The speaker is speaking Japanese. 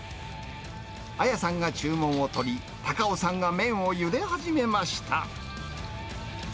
彩さんが注文を取り、太夫さんが麺をゆで始めました。